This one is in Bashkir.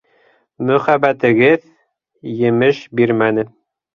Мөхәббәтегеҙ... емеш бирмәне!